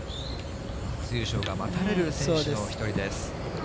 初優勝が待たれる選手の一人です。